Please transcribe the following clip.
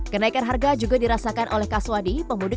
kenaikan harga juga dirasakan oleh kaswadi pemudik